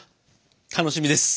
楽しみです。